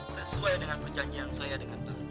sesuai dengan perjanjian saya dengan teman